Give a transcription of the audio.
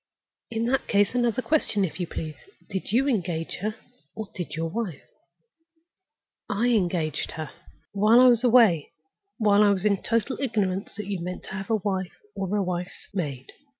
In that case, another question, if you please. Did you engage her, or did your wife?" "I engaged her—" "While I was away? While I was in total ignorance that you meant to have a wife, or a wife's maid?"